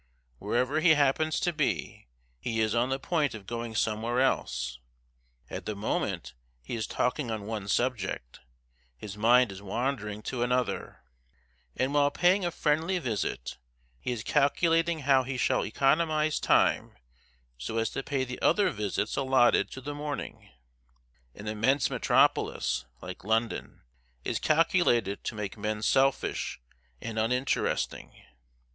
Wherever he happens to be, he is on the point of going somewhere else; at the moment he is talking on one subject, his mind is wandering to another; and while paying a friendly visit, he is calculating how he shall economize time so as to pay the other visits allotted to the morning. An immense metropolis, like London, is calculated to make men selfish and uninteresting.